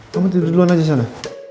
kamu tidur duluan aja sana